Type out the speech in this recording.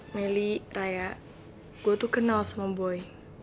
melly raya gue tuh kenal sama boy